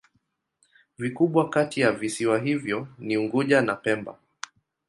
Vikubwa kati ya visiwa hivyo ni Unguja na Pemba.